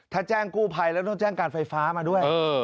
ถ้าแจ้งกู้ภัยแล้วต้องแจ้งการไฟฟ้ามาด้วย